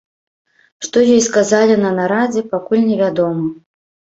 Што ёй сказалі на нарадзе, пакуль невядома.